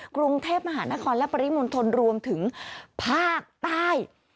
กรุงเทพมหานครและปริมณฑลรวมถึงภาคใต้